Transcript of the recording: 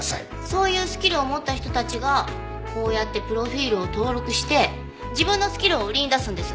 そういうスキルを持った人たちがこうやってプロフィルを登録して自分のスキルを売りに出すんです。